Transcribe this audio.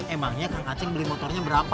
emangnya kang aceng beli motornya berapa